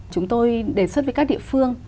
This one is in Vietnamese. chúng tôi đề xuất với các địa phương